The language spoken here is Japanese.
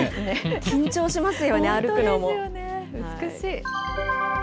緊張しますよね、歩くのも。